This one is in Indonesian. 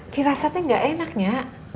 firasatnya gak enaknya